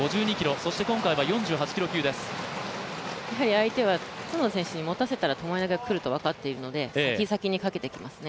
相手は角田選手に持たせたらともえ投げに来ると分かっていますので先に先にかけてきますね。